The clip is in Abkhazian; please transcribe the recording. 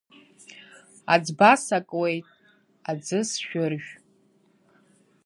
Аӡба сакуеит, аӡы сшәыржә!